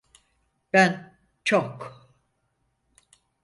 Ben çok…